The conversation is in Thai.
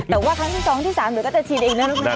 แต่ว่าครั้งที่สองที่สามเดี๋ยวก็จะชินเองนะลูกค้า